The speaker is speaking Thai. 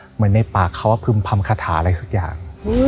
เหมือนในปากเขาพึ่มพำคาถาอะไรสักอย่าง